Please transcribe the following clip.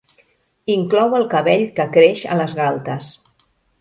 Inclou el cabell que creix a les galtes.